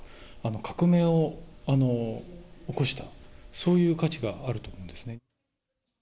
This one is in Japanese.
革命を起こした、そういう価値があると思うんですね。